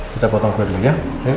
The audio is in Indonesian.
kita potong dulu ya